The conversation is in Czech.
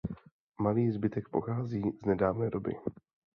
Malý zbytek pochází z nedávné doby.